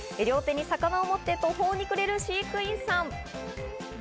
両手に魚を持って途方に暮れる飼育員さん。